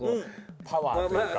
パワーというか。